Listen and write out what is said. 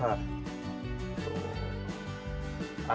oke kita tambahin keju nih pemirsa